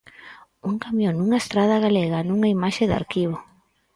Un camión nunha estrada galega, nunha imaxe de arquivo.